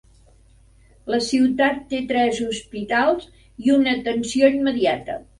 La ciutat té tres hospitals i una atenció immediata.